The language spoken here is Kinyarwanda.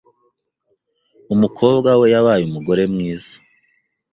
Umukobwa we yabaye umugore mwiza .